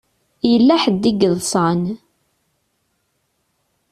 Yella ḥedd i yeḍsan.